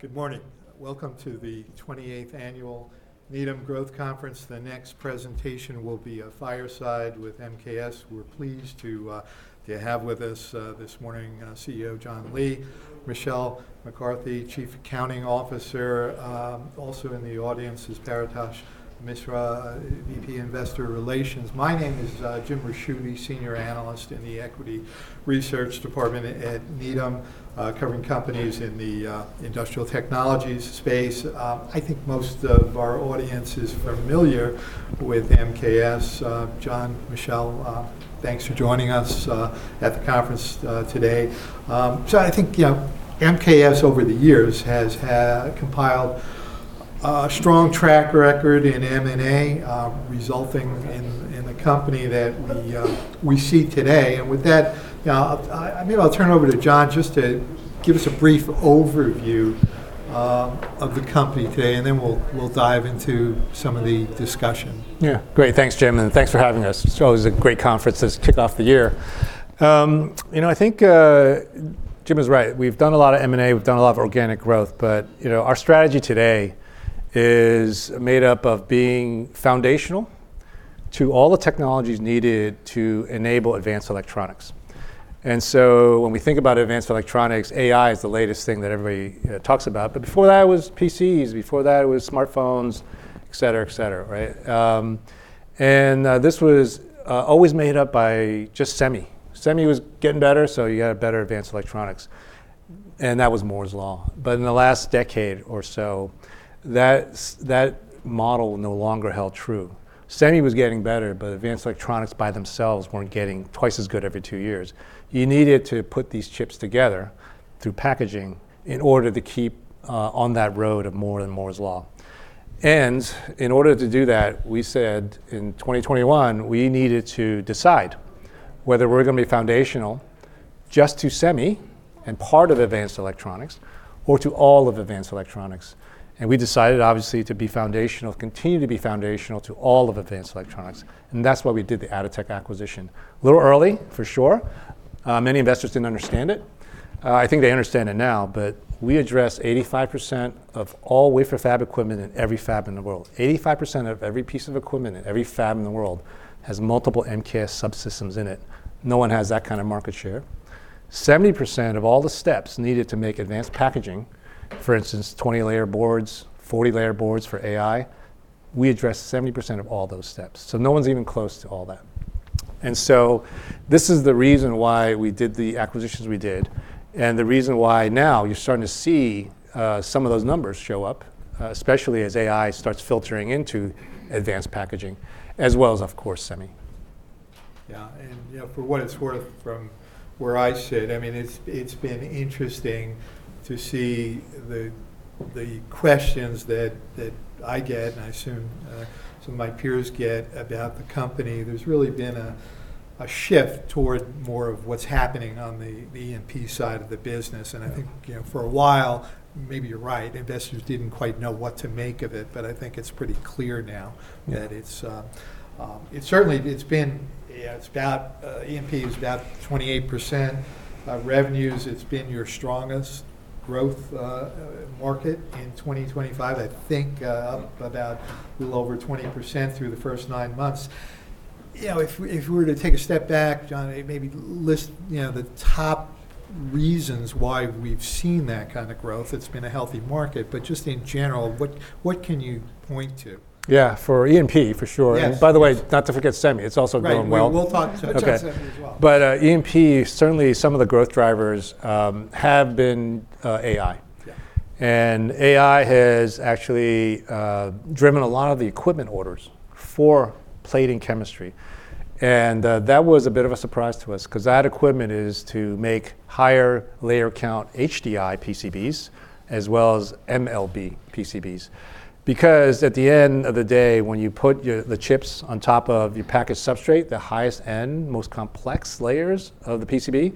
Good morning. Welcome to the 28th Annual Needham Growth Conference. The next presentation will be a fireside with MKS. We're pleased to have with us this morning CEO John Lee, Michelle McCarthy, Chief Accounting Officer. Also in the audience is Paretosh Misra, VP Investor Relations. My name is Jim Ricchiuti, Senior Analyst in the Equity Research Department at Needham, covering companies in the industrial technologies space. I think most of our audience is familiar with MKS. John, Michelle, thanks for joining us at the conference today, so I think MKS over the years has compiled a strong track record in M&A, resulting in the company that we see today, and with that, maybe I'll turn it over to John just to give us a brief overview of the company today, and then we'll dive into some of the discussion. Yeah, great. Thanks, Jim, and thanks for having us. It's always a great conference to kick off the year. You know, I think Jim is right. We've done a lot of M&A. We've done a lot of organic growth, but our strategy today is made up of being foundational to all the technologies needed to enable advanced electronics. And so when we think about advanced electronics, AI is the latest thing that everybody talks about. But before that, it was PCs. Before that, it was smartphones, et cetera, et cetera. And this was always made up by just semi. Semi was getting better, so you had better advanced electronics. And that was Moore's Law. But in the last decade or so, that model no longer held true. Semi was getting better, but advanced electronics by themselves weren't getting twice as good every two years. You needed to put these chips together through packaging in order to keep on that road of Moore's Law. And in order to do that, we said in 2021, we needed to decide whether we're going to be foundational just to semi and part of advanced electronics, or to all of advanced electronics. And we decided, obviously, to be foundational, continue to be foundational to all of advanced electronics. And that's why we did the Atotech acquisition. A little early, for sure. Many investors didn't understand it. I think they understand it now. But we address 85% of all wafer fab equipment in every fab in the world. 85% of every piece of equipment in every fab in the world has multiple MKS subsystems in it. No one has that kind of market share. 70% of all the steps needed to make advanced packaging, for instance, 20-layer boards, 40-layer boards for AI, we address 70% of all those steps. So no one's even close to all that. And so this is the reason why we did the acquisitions we did, and the reason why now you're starting to see some of those numbers show up, especially as AI starts filtering into advanced packaging, as well as, of course, semi. Yeah. And for what it's worth, from where I sit, I mean, it's been interesting to see the questions that I get, and I assume some of my peers get about the company. There's really been a shift toward more of what's happening on the E&P side of the business. And I think for a while, maybe you're right, investors didn't quite know what to make of it. But I think it's pretty clear now that it's certainly it's been E&P is about 28% revenues. It's been your strongest growth market in 2025, I think, up about a little over 20% through the first nine months. If we were to take a step back, John, maybe list the top reasons why we've seen that kind of growth. It's been a healthy market. But just in general, what can you point to? Yeah, for E&P, for sure. And by the way, not to forget semi. It's also grown well. We'll talk to semi as well. But E&P, certainly some of the growth drivers have been AI. And AI has actually driven a lot of the equipment orders for plating chemistry. And that was a bit of a surprise to us because that equipment is to make higher layer count HDI PCBs, as well as MLB PCBs. Because at the end of the day, when you put the chips on top of your package substrate, the highest end, most complex layers of the PCB,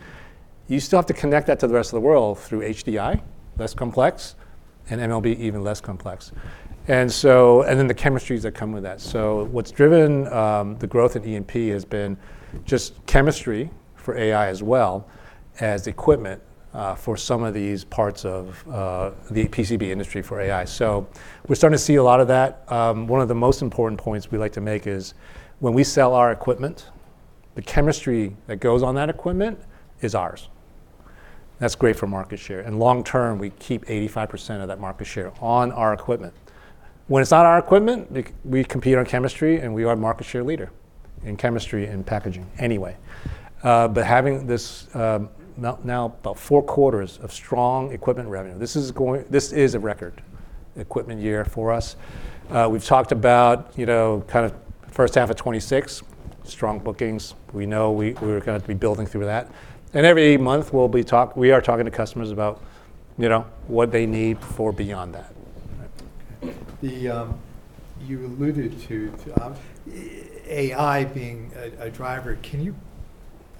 you still have to connect that to the rest of the world through HDI, less complex, and MLB, even less complex. And then the chemistries that come with that. So what's driven the growth in E&P has been just chemistry for AI, as well as equipment for some of these parts of the PCB industry for AI. So we're starting to see a lot of that. One of the most important points we like to make is when we sell our equipment, the chemistry that goes on that equipment is ours. That's great for market share. And long term, we keep 85% of that market share on our equipment. When it's not our equipment, we compete on chemistry, and we are a market share leader in chemistry and packaging anyway. But having this now about four quarters of strong equipment revenue, this is a record equipment year for us. We've talked about kind of first half of 2026, strong bookings. We know we're going to be building through that. And every month, we are talking to customers about what they need for beyond that. You alluded to AI being a driver.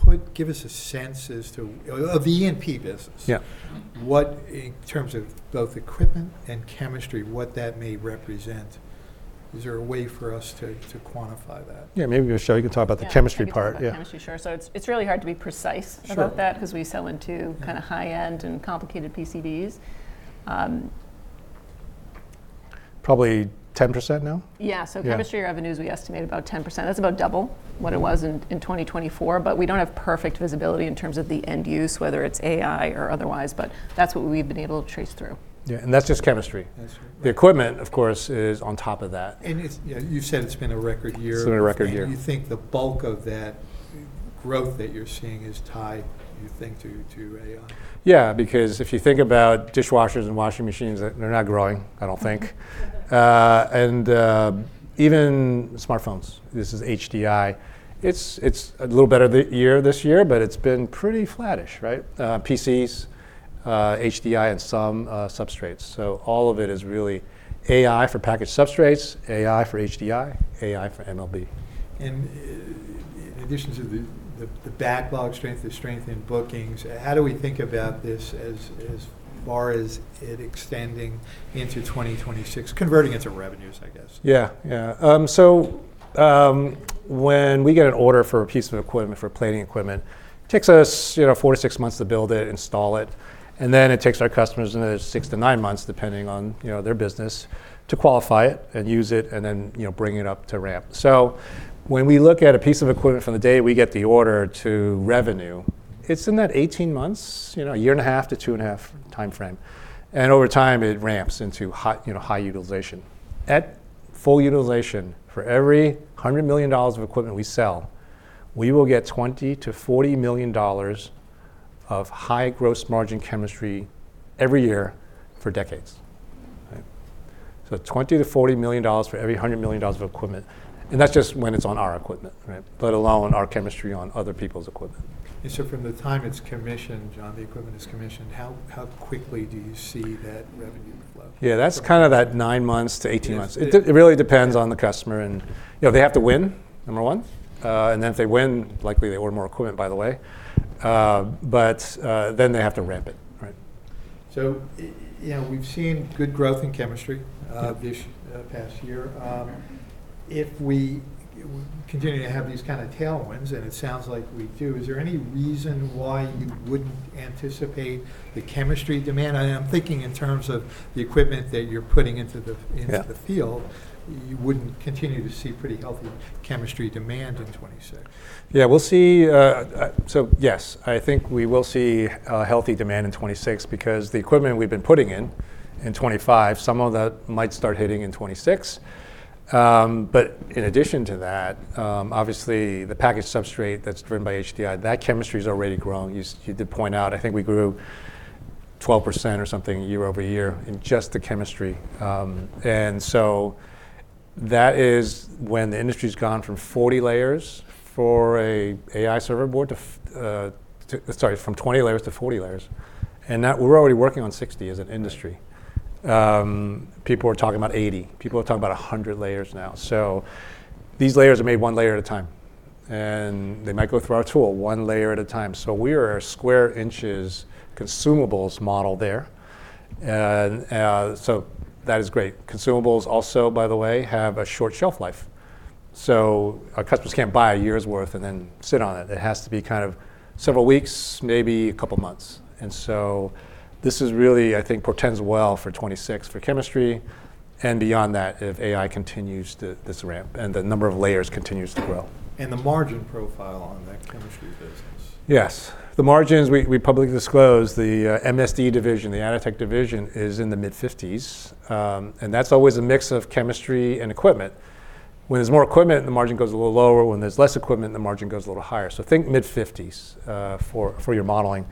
Can you give us a sense as to the E&P business? Yeah. What, in terms of both equipment and chemistry, what that may represent? Is there a way for us to quantify that? Yeah, maybe Michelle, you can talk about the chemistry part. Chemistry, sure. So it's really hard to be precise about that because we sell into kind of high-end and complicated PCBs. Probably 10% now? Yeah. So, chemistry revenues, we estimate about 10%. That's about double what it was in 2024. But we don't have perfect visibility in terms of the end use, whether it's AI or otherwise. But that's what we've been able to trace through. Yeah, and that's just chemistry. The equipment, of course, is on top of that. You've said it's been a record year. It's been a record year. You think the bulk of that growth that you're seeing is tied, you think, to AI? Yeah, because if you think about dishwashers and washing machines, they're not growing, I don't think. And even smartphones, this is HDI. It's a little better year this year, but it's been pretty flattish, right? PCs, HDI, and some substrates. So all of it is really AI for package substrates, AI for HDI, AI for MLB. In addition to the backlog strength, the strength in bookings, how do we think about this as far as it extending into 2026, converting into revenues, I guess? Yeah, yeah. So when we get an order for a piece of equipment, for plating equipment, it takes us four to six months to build it, install it. And then it takes our customers another six to nine months, depending on their business, to qualify it and use it, and then bring it up to ramp. So when we look at a piece of equipment from the day we get the order to revenue, it's in that 18 months, a year and a half to two and a half time frame. And over time, it ramps into high utilization. At full utilization, for every $100 million of equipment we sell, we will get $20 million-$40 million of high gross margin chemistry every year for decades. So $20 million-$40 million for every $100 million of equipment. and that's just when it's on our equipment, but along our chemistry on other people's equipment. And so from the time it's commissioned, John, the equipment is commissioned, how quickly do you see that revenue level? Yeah, that's kind of that nine months to 18 months. It really depends on the customer. And they have to win, number one. And then if they win, likely they order more equipment, by the way. But then they have to ramp it. So we've seen good growth in chemistry this past year. If we continue to have these kind of tailwinds, and it sounds like we do, is there any reason why you wouldn't anticipate the chemistry demand? And I'm thinking in terms of the equipment that you're putting into the field, you wouldn't continue to see pretty healthy chemistry demand in 2026. Yeah, we'll see. So yes, I think we will see healthy demand in 2026 because the equipment we've been putting in, in 2025, some of that might start hitting in 2026. But in addition to that, obviously, the package substrate that's driven by HDI, that chemistry is already growing. You did point out, I think we grew 12% or something year-over-year in just the chemistry. And so that is when the industry has gone from 40 layers for an AI server board to, sorry, from 20 layers to 40 layers. And we're already working on 60 as an industry. People are talking about 80. People are talking about 100 layers now. So these layers are made one layer at a time. And they might go through our tool, one layer at a time. So we are a square inches consumables model there. And so that is great. Consumables also, by the way, have a short shelf life. So our customers can't buy a year's worth and then sit on it. It has to be kind of several weeks, maybe a couple of months. And so this is really, I think, portends well for 2026 for chemistry and beyond that if AI continues to ramp and the number of layers continues to grow. The margin profile on that chemistry business. Yes. The margins we publicly disclose, the MSD division, the Atotech division, is in the mid-50s. And that's always a mix of chemistry and equipment. When there's more equipment, the margin goes a little lower. When there's less equipment, the margin goes a little higher. So think mid-50s for your modeling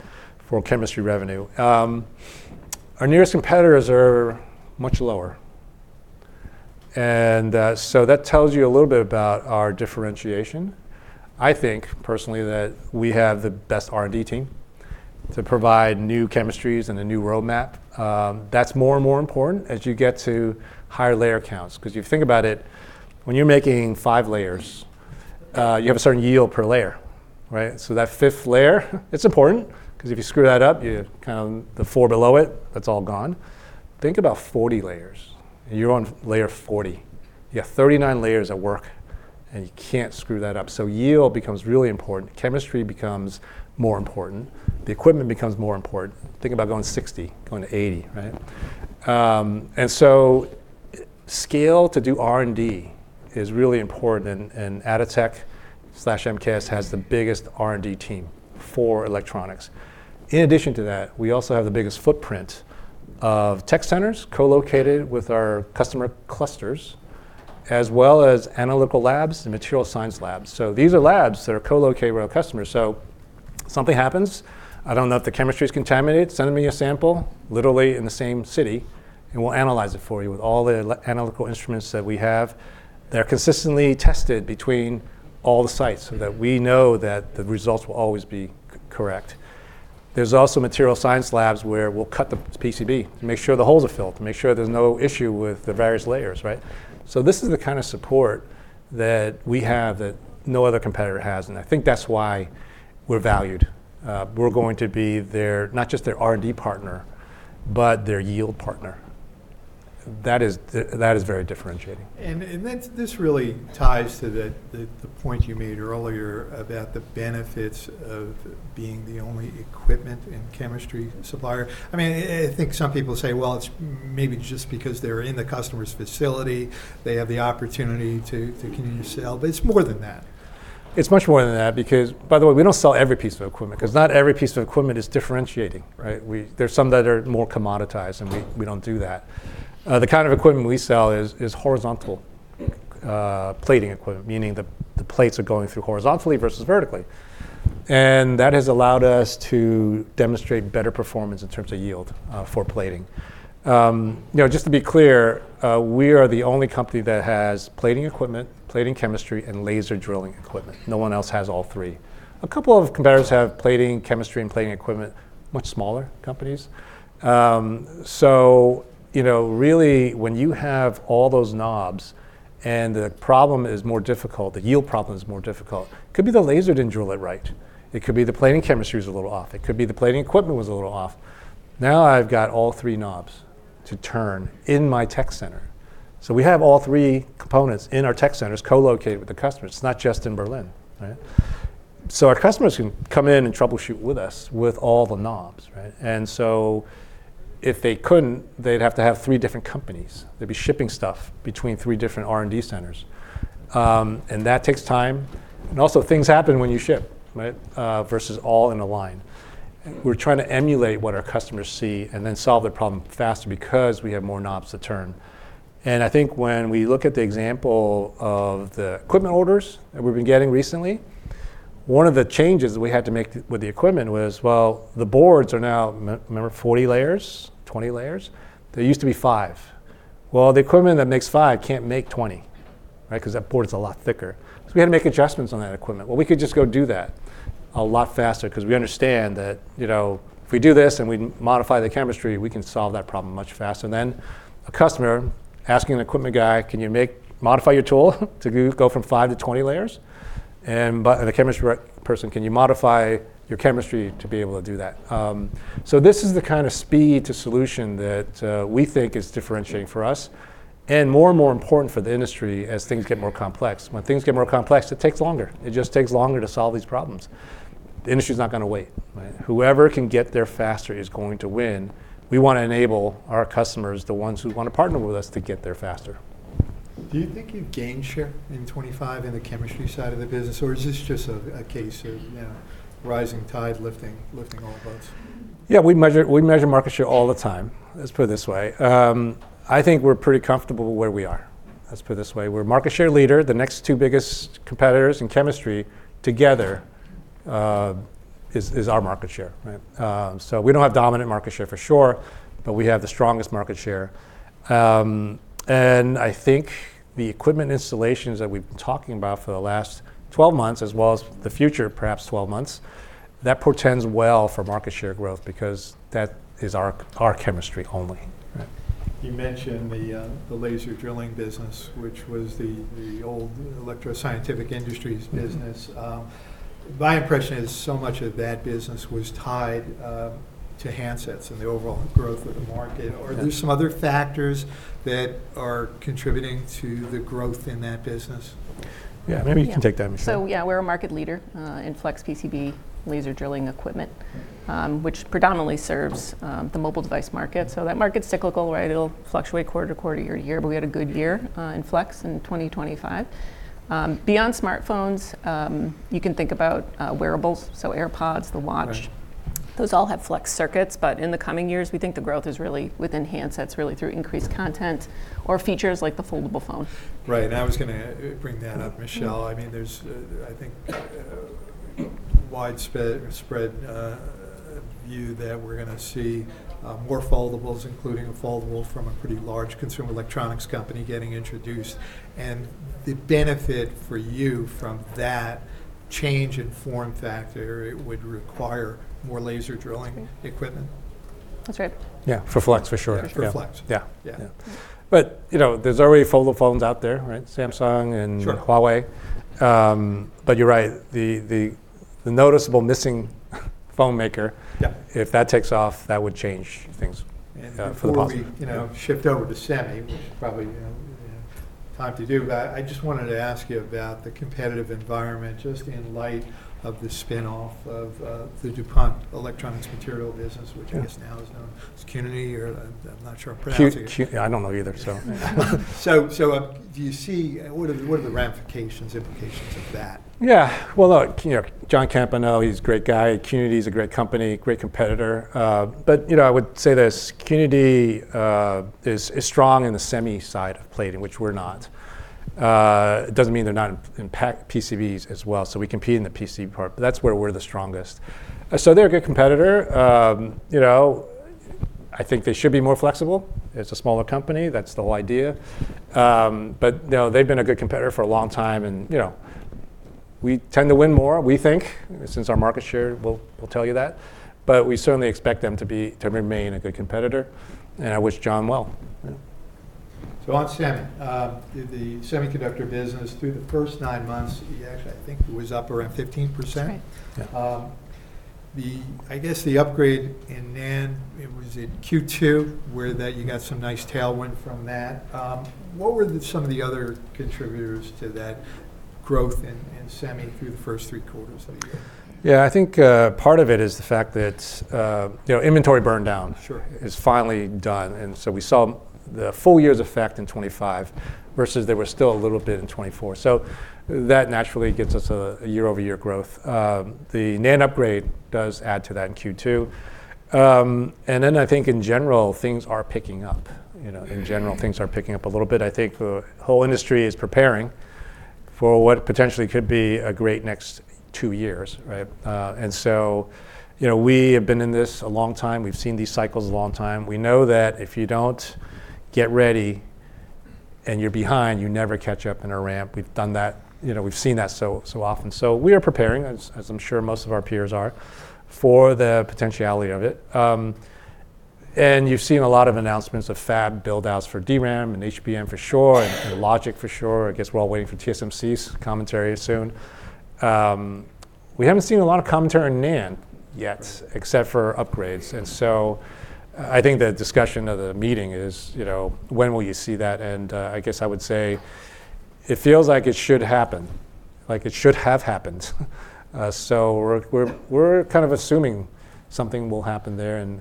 for chemistry revenue. Our nearest competitors are much lower. And so that tells you a little bit about our differentiation. I think, personally, that we have the best R&D team to provide new chemistries and a new roadmap. That's more and more important as you get to higher layer counts. Because you think about it, when you're making five layers, you have a certain yield per layer. So that fifth layer, it's important. Because if you screw that up, you kind of the four below it, that's all gone. Think about 40 layers. You're on layer 40. You have 39 layers at work, and you can't screw that up, so yield becomes really important. Chemistry becomes more important. The equipment becomes more important. Think about going 60, going to 80, and so scale to do R&D is really important, and Atotech/MKS has the biggest R&D team for electronics. In addition to that, we also have the biggest footprint of tech centers co-located with our customer clusters, as well as analytical labs and material science labs, so these are labs that are co-located with our customers, so something happens. I don't know if the chemistry is contaminated. Send me a sample, literally in the same city, and we'll analyze it for you with all the analytical instruments that we have. They're consistently tested between all the sites so that we know that the results will always be correct. There's also material science labs where we'll cut the PCB to make sure the holes are filled, to make sure there's no issue with the various layers. So this is the kind of support that we have that no other competitor has. And I think that's why we're valued. We're going to be not just their R&D partner, but their yield partner. That is very differentiating. And this really ties to the point you made earlier about the benefits of being the only equipment and chemistry supplier. I mean, I think some people say, well, it's maybe just because they're in the customer's facility, they have the opportunity to continue to sell. But it's more than that. It's much more than that because, by the way, we don't sell every piece of equipment because not every piece of equipment is differentiating. There's some that are more commoditized, and we don't do that. The kind of equipment we sell is horizontal plating equipment, meaning the panels are going through horizontally versus vertically. And that has allowed us to demonstrate better performance in terms of yield for plating. Just to be clear, we are the only company that has plating equipment, plating chemistry, and laser drilling equipment. No one else has all three. A couple of competitors have plating chemistry and plating equipment, much smaller companies. So really, when you have all those knobs and the problem is more difficult, the yield problem is more difficult, it could be the laser didn't drill it right. It could be the plating chemistry was a little off. It could be the plating equipment was a little off. Now I've got all three knobs to turn in my tech center. So we have all three components in our tech centers co-located with the customers. It's not just in Berlin. So our customers can come in and troubleshoot with us with all the knobs. And so if they couldn't, they'd have to have three different companies. They'd be shipping stuff between three different R&D centers. And that takes time. And also, things happen when you ship versus all in a line. We're trying to emulate what our customers see and then solve their problem faster because we have more knobs to turn. I think when we look at the example of the equipment orders that we've been getting recently, one of the changes that we had to make with the equipment was, well, the boards are now, remember, 40 layers, 20 layers. There used to be five. The equipment that makes five can't make 20 because that board is a lot thicker. So we had to make adjustments on that equipment. We could just go do that a lot faster because we understand that if we do this and we modify the chemistry, we can solve that problem much faster. Then a customer asking an equipment guy, can you modify your tool to go from five to 20 layers? And the chemistry person, can you modify your chemistry to be able to do that? So this is the kind of speed to solution that we think is differentiating for us and more and more important for the industry as things get more complex. When things get more complex, it takes longer. It just takes longer to solve these problems. The industry is not going to wait. Whoever can get there faster is going to win. We want to enable our customers, the ones who want to partner with us, to get there faster. Do you think you've gained share in 2025 in the chemistry side of the business, or is this just a case of rising tide lifting all boats? Yeah, we measure market share all the time. Let's put it this way. I think we're pretty comfortable where we are. Let's put it this way. We're market share leader. The next two biggest competitors in chemistry together is our market share. So we don't have dominant market share for sure, but we have the strongest market share, and I think the equipment installations that we've been talking about for the last 12 months, as well as the future, perhaps 12 months, that portends well for market share growth because that is our chemistry only. You mentioned the laser drilling business, which was the old Electro Scientific Industries business. My impression is so much of that business was tied to handsets and the overall growth of the market. Are there some other factors that are contributing to the growth in that business? Yeah, maybe you can take that, Michelle. So yeah, we're a market leader in Flex PCB laser drilling equipment, which predominantly serves the mobile device market. So that market's cyclical, right? It'll fluctuate quarter to quarter, year to year. But we had a good year in Flex in 2025. Beyond smartphones, you can think about wearables, so AirPods, the watch. Those all have flex circuits. But in the coming years, we think the growth is really within handsets, really through increased content or features like the foldable phone. Right. And I was going to bring that up, Michelle. I mean, there's, I think, a widespread view that we're going to see more foldables, including a foldable from a pretty large consumer electronics company getting introduced. And the benefit for you from that change in form factor, it would require more laser drilling equipment. That's right. Yeah, for Flex, for sure. For Flex. Yeah, yeah. But there's already foldable phones out there, right? Samsung and Huawei. But you're right. The notable missing phone maker, if that takes off, that would change things for the positive. And we'll shift over to Semi, which is probably time to do. But I just wanted to ask you about the competitive environment just in light of the spinoff of the DuPont electronics material business, which I guess now is known as DuPont de Nemours, or I'm not sure. I don't know either, so. Do you see what are the ramifications, implications of that? Yeah. Well, look, Jon Kemp, he's a great guy. DuPont is a great company, great competitor. But I would say this. DuPont is strong in the semi side of plating, which we're not. It doesn't mean they're not in PCBs as well. So we compete in the PCB part. But that's where we're the strongest. So they're a good competitor. I think they should be more flexible. It's a smaller company. That's the whole idea. But they've been a good competitor for a long time. And we tend to win more, we think, since our market share will tell you that. But we certainly expect them to remain a good competitor. And I wish Jon well. So on Semi, the semiconductor business, through the first nine months, actually, I think it was up around 15%. I guess the upgrade in NAND, was it Q2 where you got some nice tailwind from that? What were some of the other contributors to that growth in Semi through the first three quarters of the year? Yeah, I think part of it is the fact that inventory burned down is finally done. And so we saw the full year's effect in 2025 versus there was still a little bit in 2024. So that naturally gets us a year-over-year growth. The NAND upgrade does add to that in Q2. And then I think in general, things are picking up. In general, things are picking up a little bit. I think the whole industry is preparing for what potentially could be a great next two years. And so we have been in this a long time. We've seen these cycles a long time. We know that if you don't get ready and you're behind, you never catch up in a ramp. We've done that. We've seen that so often. So we are preparing, as I'm sure most of our peers are, for the potentiality of it. You've seen a lot of announcements of fab buildouts for DRAM and HBM for sure and Logic for sure. I guess we're all waiting for TSMC's commentary soon. We haven't seen a lot of commentary on NAND yet, except for upgrades. And so I think the discussion of the meeting is, when will you see that? And I guess I would say it feels like it should happen, like it should have happened. So we're kind of assuming something will happen there. And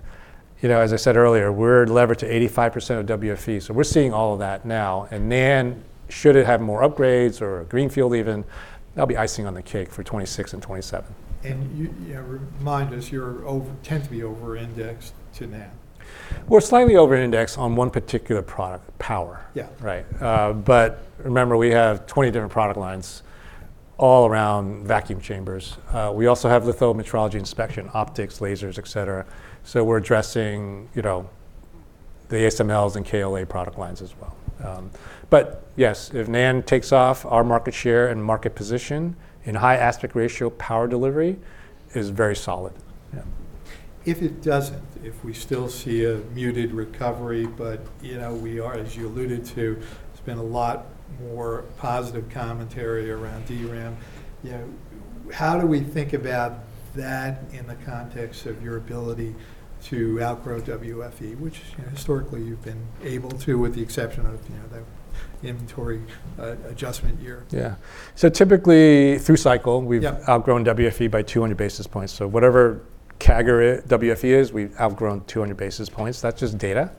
as I said earlier, we're levered to 85% of WFE. So we're seeing all of that now. And NAND, should it have more upgrades or a greenfield even, that'll be icing on the cake for 2026 and 2027. Remind us, you're heavily over-indexed to NAND. We're slightly over-indexed on one particular product, power. But remember, we have 20 different product lines all around vacuum chambers. We also have litho metrology inspection, optics, lasers, etc. So we're addressing the ASMLs and KLA product lines as well. But yes, if NAND takes off, our market share and market position in high aspect ratio power delivery is very solid. If it doesn't, if we still see a muted recovery, but we are, as you alluded to, there's been a lot more positive commentary around DRAM. How do we think about that in the context of your ability to outgrow WFE, which historically you've been able to with the exception of the inventory adjustment year? Yeah. So typically, through cycle, we've outgrown WFE by 200 basis points. So whatever CAGR WFE is, we've outgrown 200 basis points. That's just data.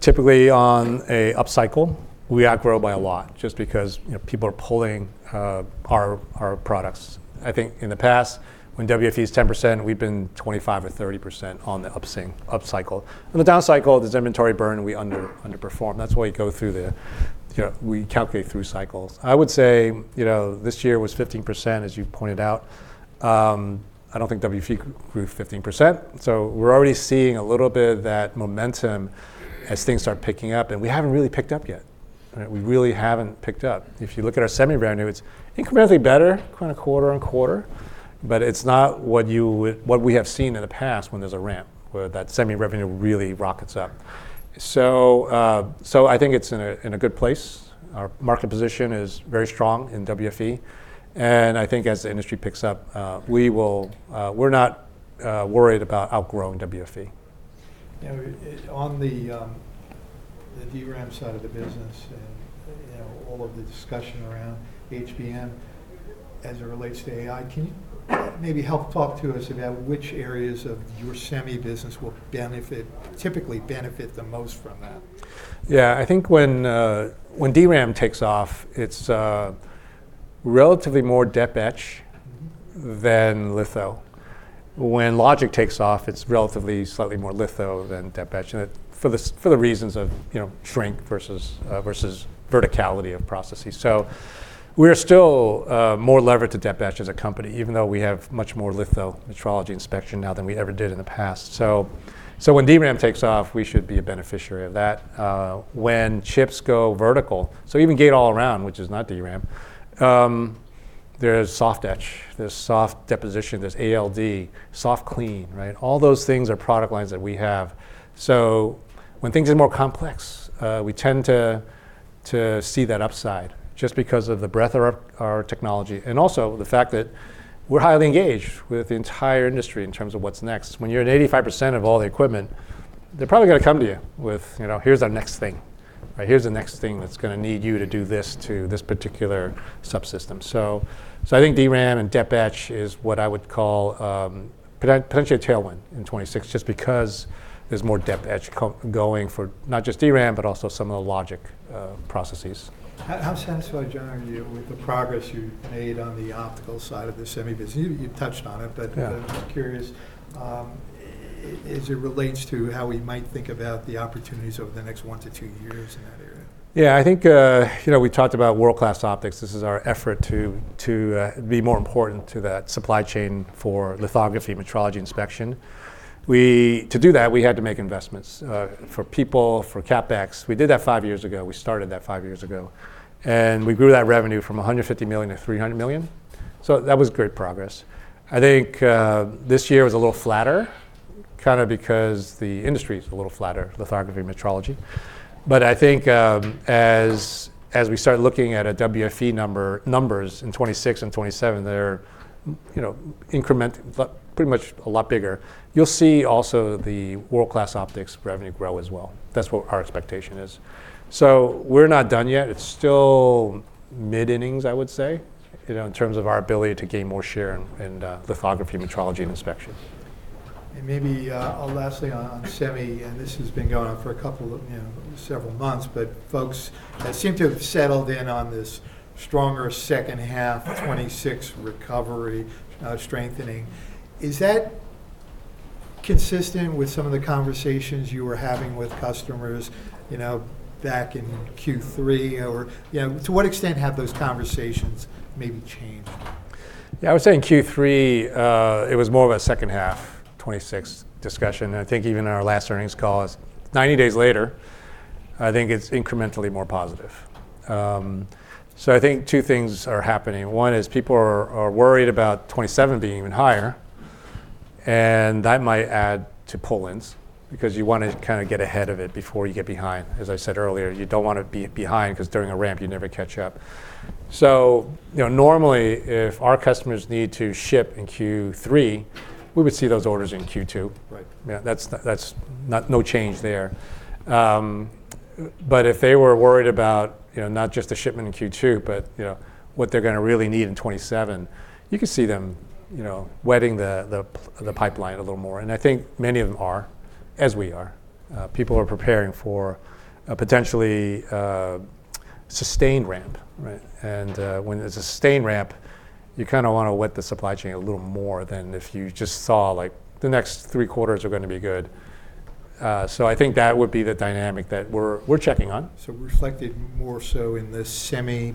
Typically, on an upcycle, we outgrow by a lot just because people are pulling our products. I think in the past, when WFE is 10%, we've been 25% or 30% on the upcycle. In the downcycle, there's inventory burn, we underperform. That's why we go through the cycle. We calculate through cycles. I would say this year was 15%, as you pointed out. I don't think WFE grew 15%. So we're already seeing a little bit of that momentum as things start picking up, and we haven't really picked up yet. We really haven't picked up. If you look at our Semi revenue, it's incrementally better, quarter and quarter. But it's not what we have seen in the past when there's a ramp where that Semi revenue really rockets up. So I think it's in a good place. Our market position is very strong in WFE. And I think as the industry picks up, we're not worried about outgrowing WFE. On the DRAM side of the business and all of the discussion around HBM as it relates to AI, can you maybe help talk to us about which areas of your Semi business will typically benefit the most from that? Yeah, I think when DRAM takes off, it's relatively more Dep/Etch than litho. When Logic takes off, it's relatively slightly more litho than Dep/Etch for the reasons of shrink versus verticality of processes. So we're still more levered to Dep/Etch as a company, even though we have much more litho metrology inspection now than we ever did in the past. So when DRAM takes off, we should be a beneficiary of that. When chips go vertical, so even Gate-All-Around, which is not DRAM, there's soft etch, there's soft deposition, there's ALD, soft clean. All those things are product lines that we have. So when things are more complex, we tend to see that upside just because of the breadth of our technology. And also the fact that we're highly engaged with the entire industry in terms of what's next. When you're at 85% of all the equipment, they're probably going to come to you with, here's our next thing. Here's the next thing that's going to need you to do this to this particular subsystem. So I think DRAM and Dep/Etch is what I would call potentially a tailwind in 2026 just because there's more Dep/Etch going for not just DRAM, but also some of the Logic processes. How satisfied, John, are you with the progress you've made on the optical side of the Semi business? You've touched on it, but I'm curious as it relates to how we might think about the opportunities over the next one to two years in that area. Yeah, I think we talked about world-class optics. This is our effort to be more important to that supply chain for lithography metrology inspection. To do that, we had to make investments for people, for CapEx. We did that five years ago. We started that five years ago. And we grew that revenue from $150 million-$300 million. So that was great progress. I think this year was a little flatter, kind of because the industry is a little flatter, lithography metrology. But I think as we start looking at WFE numbers in 2026 and 2027, they're incrementing, pretty much a lot bigger. You'll see also the world-class optics revenue grow as well. That's what our expectation is. So we're not done yet. It's still mid-innings, I would say, in terms of our ability to gain more share in lithography metrology and inspection. Maybe a last thing on semi. This has been going on for several months, but folks seem to have settled in on this stronger second half, 2026 recovery, strengthening. Is that consistent with some of the conversations you were having with customers back in Q3? To what extent have those conversations maybe changed? Yeah, I would say in Q3, it was more of a second half, 2026 discussion. And I think even in our last earnings call, 90 days later, I think it's incrementally more positive. So I think two things are happening. One is people are worried about 2027 being even higher. And that might add to pull-ins because you want to kind of get ahead of it before you get behind. As I said earlier, you don't want to be behind because during a ramp, you never catch up. So normally, if our customers need to ship in Q3, we would see those orders in Q2. That's no change there. But if they were worried about not just the shipment in Q2, but what they're going to really need in 2027, you could see them wetting the pipeline a little more. And I think many of them are, as we are. People are preparing for a potentially sustained ramp, and when there's a sustained ramp, you kind of want to wet the supply chain a little more than if you just saw the next three quarters are going to be good, so I think that would be the dynamic that we're checking on. So reflected more so in the Semi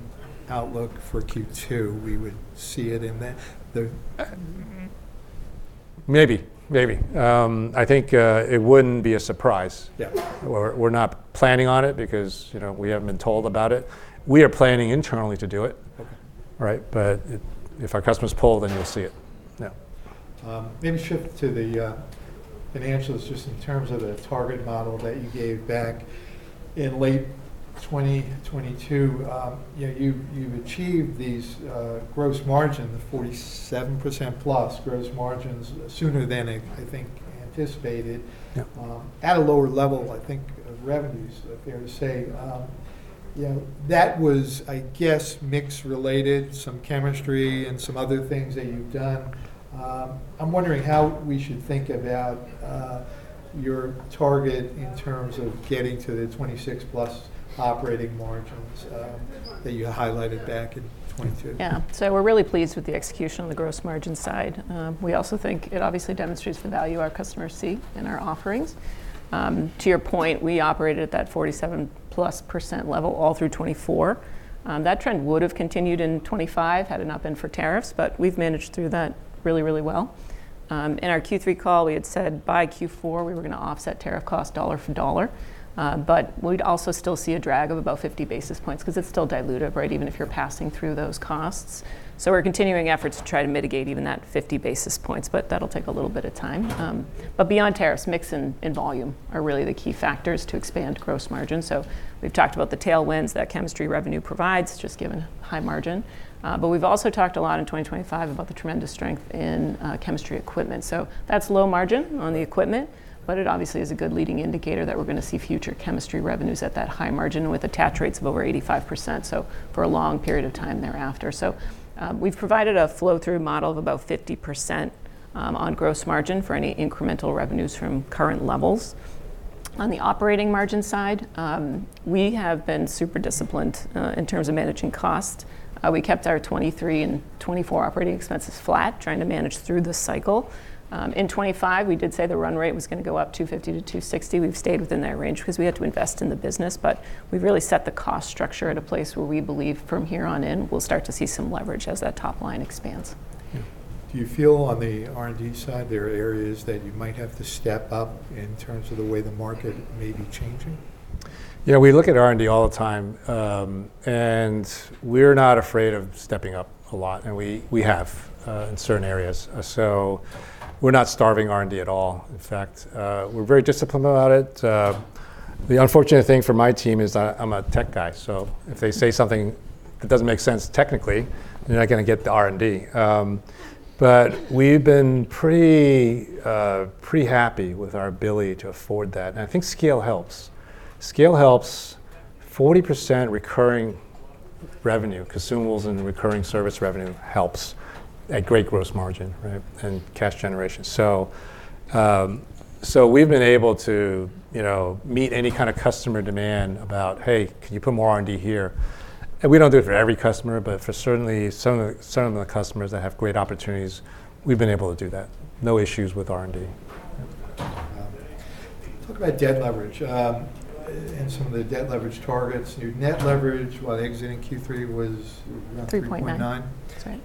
outlook for Q2, we would see it in that. Maybe, maybe. I think it wouldn't be a surprise. We're not planning on it because we haven't been told about it. We are planning internally to do it. But if our customers pull, then you'll see it. Maybe shift to the financials just in terms of the target model that you gave back in late 2022. You've achieved these gross margins, the 47% plus gross margins sooner than I think anticipated. At a lower level, I think of revenues, fair to say, that was, I guess, mixed related, some chemistry and some other things that you've done. I'm wondering how we should think about your target in terms of getting to the 26%+ operating margins that you highlighted back in 2022. Yeah. So we're really pleased with the execution on the gross margin side. We also think it obviously demonstrates the value our customers see in our offerings. To your point, we operated at that 47% level all through 2024. That trend would have continued in 2025 had it not been for tariffs. But we've managed through that really, really well. In our Q3 call, we had said by Q4, we were going to offset tariff cost dollar for dollar. But we'd also still see a drag of about 50 basis points because it's still dilutive, right, even if you're passing through those costs. So we're continuing efforts to try to mitigate even that 50 basis points. But that'll take a little bit of time. But beyond tariffs, mix and volume are really the key factors to expand gross margin. So we've talked about the tailwinds that chemistry revenue provides, just given high margin. But we've also talked a lot in 2025 about the tremendous strength in chemistry equipment. So that's low margin on the equipment. But it obviously is a good leading indicator that we're going to see future chemistry revenues at that high margin with attach rates of over 85%, so for a long period of time thereafter. So we've provided a flow-through model of about 50% on gross margin for any incremental revenues from current levels. On the operating margin side, we have been super disciplined in terms of managing costs. We kept our 2023 and 2024 operating expenses flat, trying to manage through the cycle. In 2025, we did say the run rate was going to go up 250-260. We've stayed within that range because we had to invest in the business. But we've really set the cost structure at a place where we believe from here on in, we'll start to see some leverage as that top line expands. Do you feel on the R&D side there are areas that you might have to step up in terms of the way the market may be changing? Yeah, we look at R&D all the time, and we're not afraid of stepping up a lot, and we have in certain areas, so we're not starving R&D at all. In fact, we're very disciplined about it. The unfortunate thing for my team is that I'm a tech guy, so if they say something that doesn't make sense technically, they're not going to get the R&D. But we've been pretty happy with our ability to afford that, and I think scale helps. Scale helps. 40% recurring revenue, consumables and recurring service revenue helps at great gross margin and cash generation, so we've been able to meet any kind of customer demand about, hey, can you put more R&D here, and we don't do it for every customer, but for certainly some of the customers that have great opportunities, we've been able to do that. No issues with R&D. Talk about debt leverage and some of the debt leverage targets. Your net leverage while exiting Q3 was. 3.9. 3.9.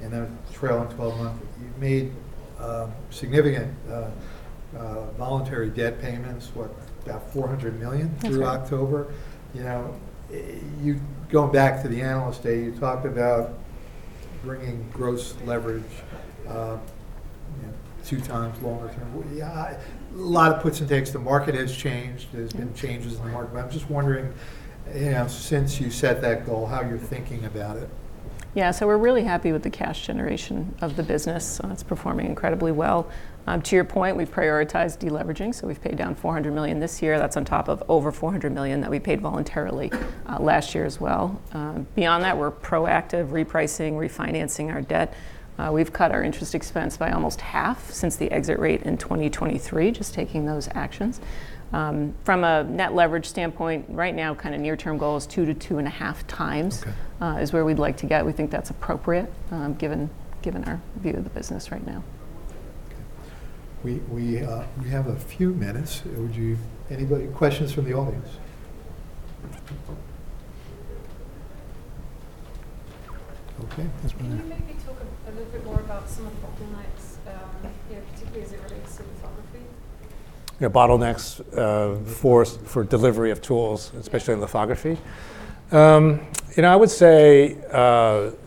And then trailing 12 months. You've made significant voluntary debt payments, what, about $400 million through October. Going back to the analyst day, you talked about bringing gross leverage 2x longer term. A lot of puts and takes. The market has changed. There's been changes in the market. But I'm just wondering, since you set that goal, how you're thinking about it. Yeah, so we're really happy with the cash generation of the business. It's performing incredibly well. To your point, we've prioritized deleveraging. So we've paid down $400 million this year. That's on top of over $400 million that we paid voluntarily last year as well. Beyond that, we're proactive repricing, refinancing our debt. We've cut our interest expense by almost half since the exit rate in 2023, just taking those actions. From a net leverage standpoint, right now, kind of near-term goal is 2x-2.5x is where we'd like to get. We think that's appropriate given our view of the business right now. We have a few minutes. Any questions from the audience? Okay. Do you mind if we talk a little bit more about some of the bottlenecks, particularly as it relates to lithography? Bottlenecks for delivery of tools, especially in lithography. I would say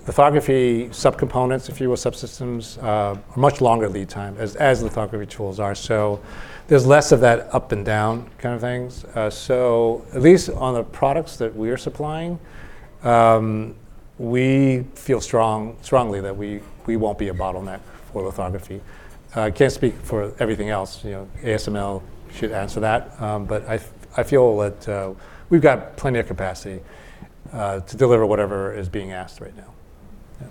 lithography subcomponents, if you will, subsystems are much longer lead time as lithography tools are. So there's less of that up and down kind of things. So at least on the products that we are supplying, we feel strongly that we won't be a bottleneck for lithography. I can't speak for everything else. ASML should answer that. But I feel that we've got plenty of capacity to deliver whatever is being asked right now.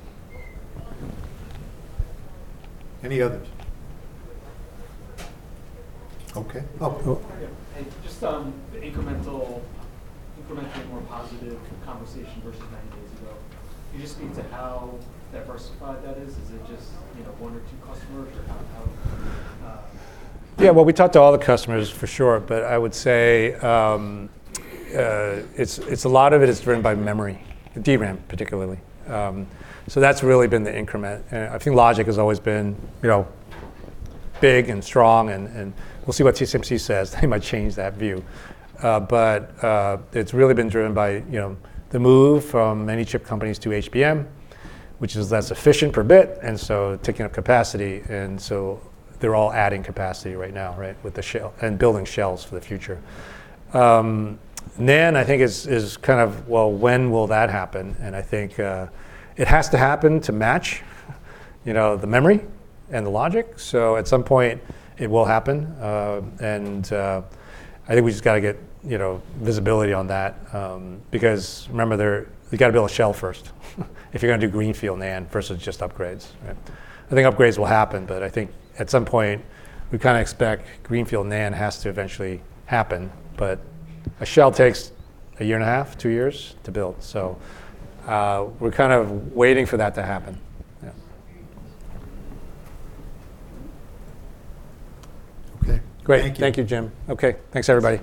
Any others? Okay. Oh. Just incrementally more positive conversation versus 90 days ago. Can you speak to how diversified that is? Is it just one or two customers or how? Yeah, well, we talked to all the customers for sure. But I would say a lot of it is driven by memory, DRAM particularly. So that's really been the increment. And I think Logic has always been big and strong. And we'll see what TSMC says. They might change that view. But it's really been driven by the move from many chip companies to HBM, which is less efficient per bit, and so taking up capacity. And so they're all adding capacity right now with the shell and building shells for the future. NAND, I think, is kind of, well, when will that happen? And I think it has to happen to match the memory and the Logic. So at some point, it will happen. And I think we just got to get visibility on that because remember, there's got to be a shell first if you're going to do Greenfield NAND versus just upgrades. I think upgrades will happen. But I think at some point, we kind of expect Greenfield NAND has to eventually happen. But a shell takes a year and a half, two years to build. So we're kind of waiting for that to happen. Okay. Great. Thank you. Thank you, Jim. Okay. Thanks, everybody.